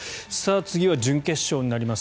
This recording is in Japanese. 次は準決勝になります。